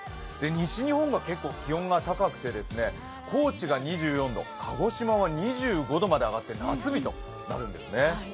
西日本は結構気温が高くて高知が２４度、鹿児島は２５度まで上がって、夏日となるんですね。